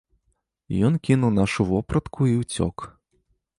Ён кінуў нашу вопратку і ўцёк.